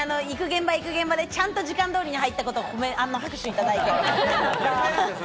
行く現場でちゃんと時間通りに入ったこと拍手いただいて。